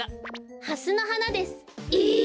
ハスのはなです。え！？